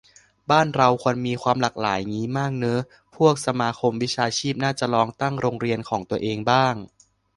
บ้านเราควรมีความหลากหลายงี้มั่งเนอะ พวกสมาคมวิชาชีพน่าจะลองตั้งโรงเรียนของตัวเองบ้าง